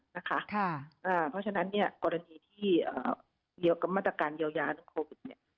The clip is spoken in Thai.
เพราะฉะนั้นกรณีที่เยอกับมาตรการยาวญาดังโควิด